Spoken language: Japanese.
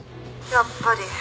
やっぱり。